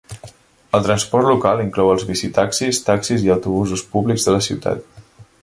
El transport local inclou els bicitaxis, taxis i autobusos públics de la ciutat.